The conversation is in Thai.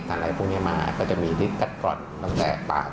ทานอะไรพวกเนี้ยมาก็จะมีที่กัดกรอนตั้งแต่ปาก